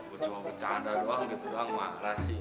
gue cuma bercanda doang gitu doang marah sih